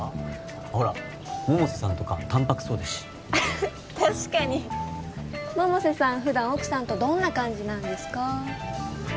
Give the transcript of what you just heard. ほら百瀬さんとか淡泊そうだし確かに百瀬さんふだん奥さんとどんな感じなんですか？